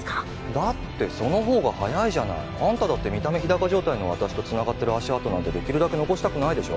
だってその方が早いじゃないあんただって見た目日高状態の私とつながってる足跡なんてできるだけ残したくないでしょ？